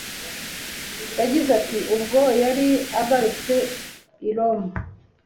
yagize ati:Ubwo yari agarutse i Lomé